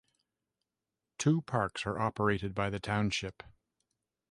Two parks are operated by the township.